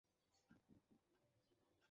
আপনি পুলিশ না?